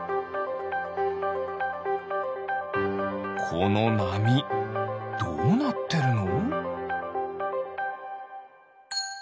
このなみどうなってるの？